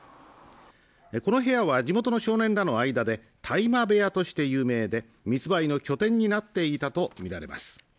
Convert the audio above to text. この部屋は地元の少年らの間で大麻部屋として有名で密売の拠点になっていたと見られます